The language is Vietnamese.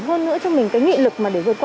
hơn nữa cho mình cái nghị lực mà để vượt qua